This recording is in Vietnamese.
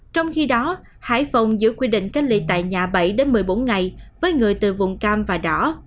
trong khi đó hải phòng giữ quy định cách ly tại nhà bảy một mươi bốn ngày với người từ vùng cam và đỏ